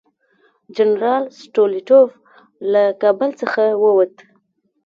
جنرال سټولیټوف له کابل څخه ووت.